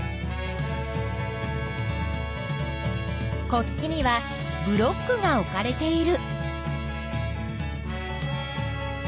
こっちにはブロックが置かれている。